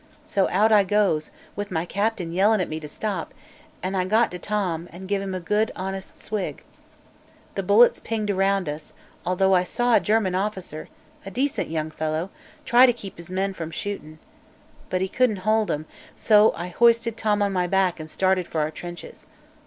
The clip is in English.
So out I goes, with my Cap'n yellin' at me to stop, an' I got to Tom an' give him a good, honest swig. The bullets pinged around us, although I saw a German officer a decent young fellow try to keep his men from shootin'. But he couldn't hold 'em in, so I hoisted Tom on my back an' started for our trenches.